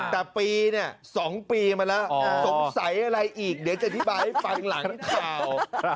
แต่ปีเนี่ย๒ปีมาแล้วสงสัยอะไรอีกเดี๋ยวจะอธิบายให้ฟังหลังข่าว